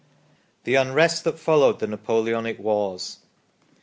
THE UNREST THAT FOLLOWED THE NAPOLEONIC WARS.